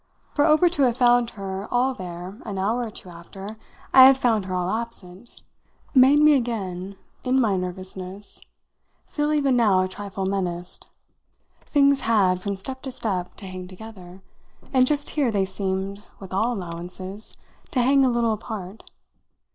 For Obert to have found her all there an hour or two after I had found her all absent, made me again, in my nervousness, feel even now a trifle menaced. Things had, from step to step, to hang together, and just here they seemed with all allowances to hang a little apart.